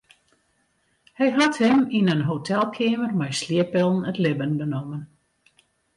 Hy hat him yn in hotelkeamer mei slieppillen it libben benommen.